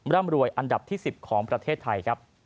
ร่ำรวยอันดับที่๑๐ของประเทศไทยครับ